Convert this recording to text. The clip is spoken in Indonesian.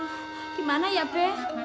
aduh gimana ya be